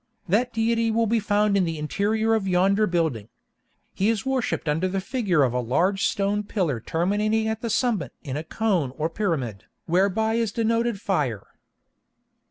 That deity will be found in the interior of yonder building. He is worshipped under the figure of a large stone pillar terminating at the summit in a cone or pyramid, whereby is denoted Fire.